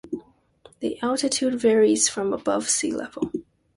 The altitude varies from above sea level.